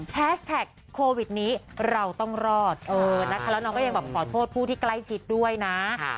แท็กโควิดนี้เราต้องรอดนะคะแล้วน้องก็ยังแบบขอโทษผู้ที่ใกล้ชิดด้วยนะ